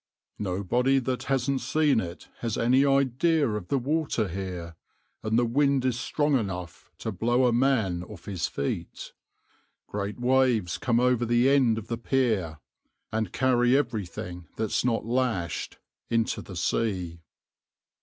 \par "Nobody that hasn't seen it has any idea of the water here, and the wind is strong enough to blow a man off his feet. Great waves come over the end of the pier, and carry everything, that's not lashed, into the sea.